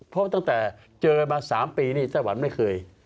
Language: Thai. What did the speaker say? เพราะตั้งแต่เจอมา๓ปีนี่ไต้หวันไม่เคย